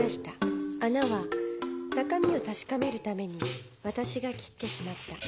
穴は中身を確かめるために私が切ってしまった。